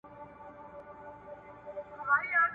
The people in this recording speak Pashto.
داستاني ادبیات په ټولنه کي ځانګړی ځای لري.